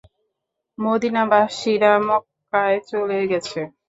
মদীনাবাসীরা মক্কায় চলে গেছে।